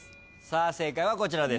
正解はこちらです。